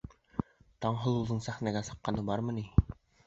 Таңһылыуҙың сәхнәгә сыҡҡаны бармы ни?